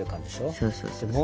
そうそうそう。